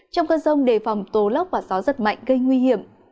trong cơn sông đề phòng tố lóc và gió rất mạnh gây nguy hiểm